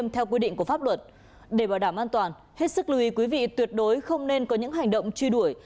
thích sức lưu ý quý vị tuyệt đối không nên có những hành động truy đuổi